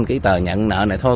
cái tờ nhận nợ này thôi